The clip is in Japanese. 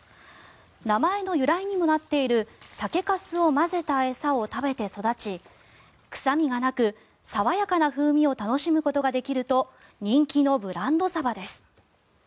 名前の由来にもなっている酒かすを混ぜた餌を食べて育ち臭みがなく爽やかな風味を楽しむことができると人気のブランドサバです。